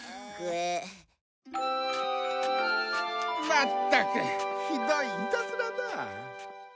まったくひどいいたずらだ。